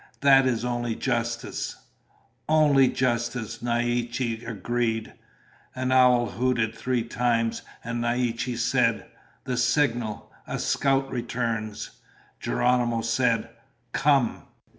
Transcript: That is only justice." "Only justice," Naiche agreed. An owl hooted three times, and Naiche said, "The signal. A scout returns." Geronimo said, "Come."